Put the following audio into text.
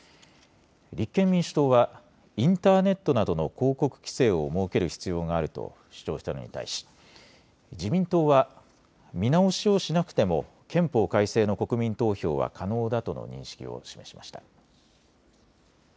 立憲民主党はインターネットなどの広告規制を設ける必要があると主張したのに対し、自民党は見直しをしなくても憲法改正の国民投票は可能だとの認識を示しました。